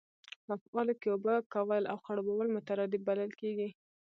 په افعالو کښي اوبه کول او خړوبول مترادف بلل کیږي.